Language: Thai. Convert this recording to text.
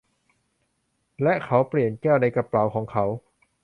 และ เขาเปลี่ยนแก้วในกระเป๋าของเขา